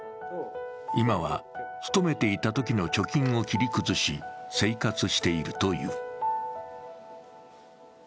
今は勤めていたときの貯金を切り崩し、生活しているという。